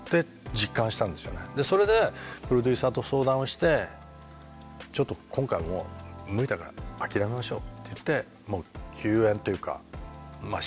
でそれでプロデューサーと相談をしてちょっと今回はもう無理だから諦めましょうって言ってもう休演というかまあ終演にして。